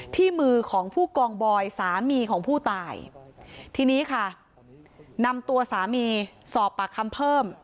ที่มือของผู้กองบอยสามีของผู้ตายทีนี้ค่ะนำตัวสามีสอบปากคำเพิ่ม